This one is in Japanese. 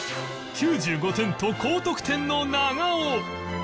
９５点と高得点の長尾